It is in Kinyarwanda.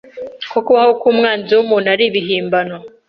ko kubaho k’umwanzi w’umuntu ari ibihimbano.